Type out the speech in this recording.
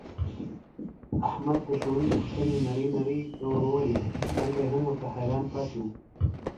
احمد د ښوونکي پوښتنې نرۍ نرۍ ځواوبولې ښوونکی یې هم ورته حیران پاتې و.